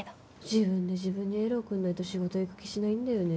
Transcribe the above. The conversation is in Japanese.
自分で自分にエール送んないと仕事行く気しないんだよね。